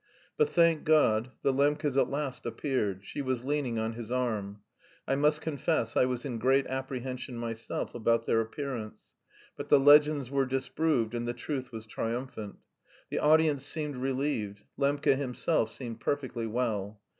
But, thank God, the Lembkes at last appeared, she was leaning on his arm; I must confess I was in great apprehension myself about their appearance. But the legends were disproved, and the truth was triumphant. The audience seemed relieved. Lembke himself seemed perfectly well.